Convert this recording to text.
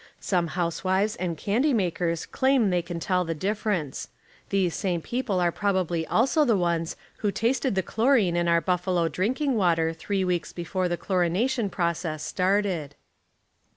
Some housewives and candy makers claim they can tell the difference ; these same people are probably also the ones who tasted the chlorine in our Buffalo drinking water three weeks before the chlorination process started.